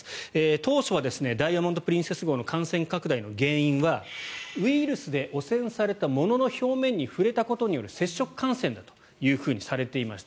当初は「ダイヤモンド・プリンセス号」の感染拡大の原因はウイルスで汚染された物の表面に触れたことによる接触感染だというふうにされていました。